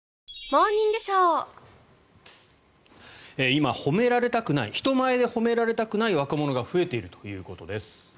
今、褒められたくない人前で褒められたくない若者が増えているということです。